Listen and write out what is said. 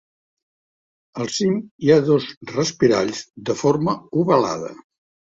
Al cim hi ha dos respiralls de forma ovalada.